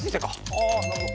ああなるほど。